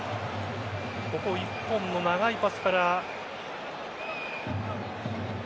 ここ、１本の長いパスから。